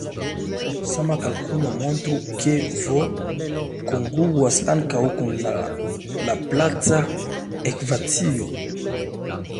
Sama kalkulo montru, ke "v" kongruas ankaŭ kun la laplaca ekvacio.